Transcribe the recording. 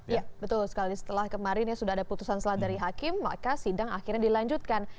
ya betul sekali setelah kemarin ya sudah ada putusan selat dari hakim maka sidang akhirnya dilanjutkan